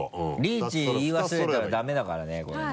リーチ言い忘れたらダメだからねこれね。